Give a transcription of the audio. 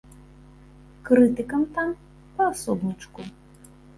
Крытыкам там па асобнічку.